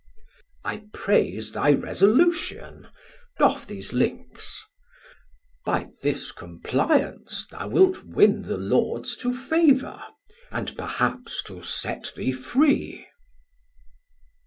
Off: I praise thy resolution, doff these links: 1410 By this compliance thou wilt win the Lords To favour, and perhaps to set thee free.